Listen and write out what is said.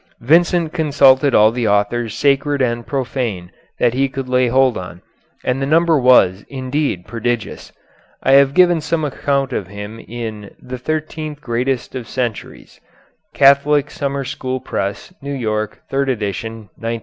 Vincent consulted all the authors sacred and profane that he could lay hold on, and the number was, indeed, prodigious. I have given some account of him in "The Thirteenth Greatest of Centuries" (Catholic Summer School Press, New York, third edition, 1910).